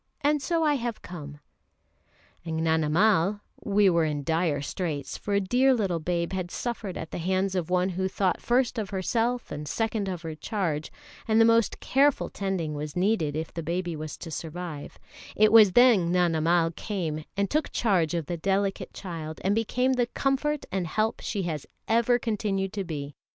And so I have come!" And Gnanamal we were in dire straits, for a dear little babe had suffered at the hands of one who thought first of herself and second of her charge, and the most careful tending was needed if the baby was to survive it was then Gnanamal came and took charge of the delicate child, and became the comfort and help she has ever continued to be.